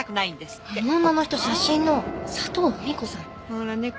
あの女の人写真の佐藤ふみ子さん？